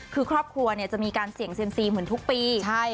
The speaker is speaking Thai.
คือครอบครัวจะมีการเสี่ยงเซียมซีเหมือนทุกปี